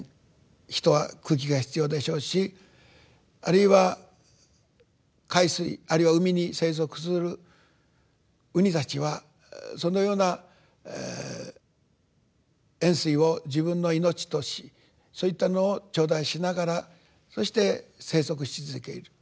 人は空気が必要でしょうしあるいは海水あるいは海に生息する海胆たちはそのような塩水を自分の命としそういったのを頂戴しながらそして生息し続ける。